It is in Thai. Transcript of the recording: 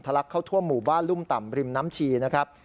ลักเข้าทั่วหมู่บ้านรุ่มต่ำริมน้ำชีนะครับ